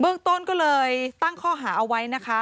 เรื่องต้นก็เลยตั้งข้อหาเอาไว้นะคะ